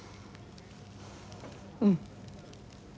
うん。